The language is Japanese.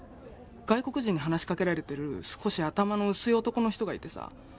外国人に話し掛けられてる少し頭の薄い男の人がいてさ。